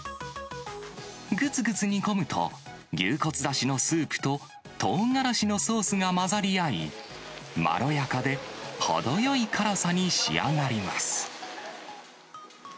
ぐつぐつ煮込むと、牛骨だしのスープと、とうがらしのソースが混ざり合い、まろやかで程よい辛さに仕上がります。